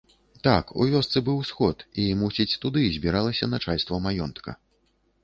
Так, у вёсцы быў сход і, мусіць, туды збіралася начальства маёнтка.